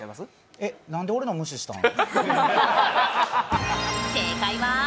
えっ、何で俺の無視したん？